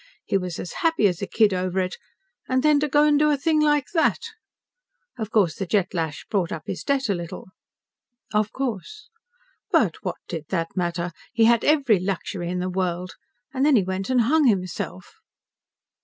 He was as happy as a kid over it, and then to go and do a thing like that! Of course, the Jet lash brought up his debt a little." "Of course." "But what did that matter? He had every luxury in the world. And then he went and hung himself."